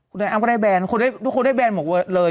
คุณไอ้อ้ำก็ได้แบรนด์ทุกคนได้แบรนด์หมดเลย